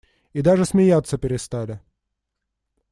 И даже смеяться перестали.